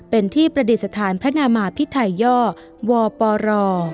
เป็นที่ประดิษฐานพระนามาพิไทยย่อวปร